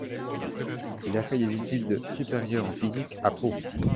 Il a fait des études supérieures en physique à Pau.